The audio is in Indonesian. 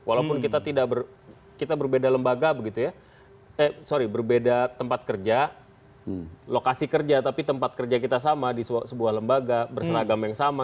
walaupun kita berbeda tempat kerja lokasi kerja tapi tempat kerja kita sama di sebuah lembaga berseragam yang sama